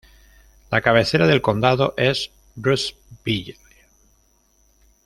La cabecera del condado es Rushville.